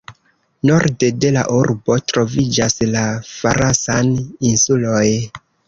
Norde de la urbo troviĝas la Farasan-insuloj.